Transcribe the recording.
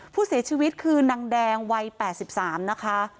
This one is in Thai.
ผู้เสียชีวิตคือนางแดงวัย๘๓นะคะ